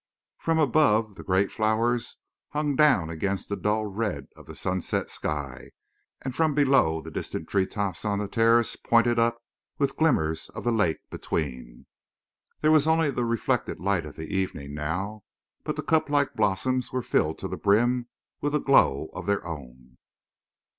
From above, the great flowers hung down against the dull red of the sunset sky; and from below the distant treetops on the terrace pointed up with glimmers of the lake between. There was only the reflected light of the evening, now, but the cuplike blossoms were filled to the brim with a glow of their own.